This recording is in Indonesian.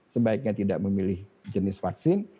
sebaiknya tidak memilih jenis vaksin